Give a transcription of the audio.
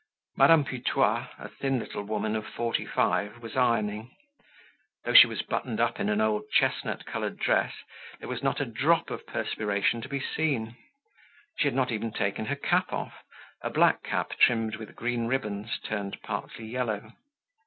Madame Putois, a thin little woman of forty five, was ironing. Though she was buttoned up in an old chestnut colored dress, there was not a drop of perspiration to be seen. She had not even taken her cap off, a black cap trimmed with green ribbons turned partly yellow.